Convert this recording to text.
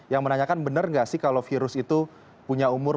yang menanyakan benar nggak sih kalau virus itu punya umur